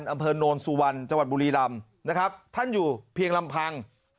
อำเภอโนนสุวรรณจังหวัดบุรีรำนะครับท่านอยู่เพียงลำพัง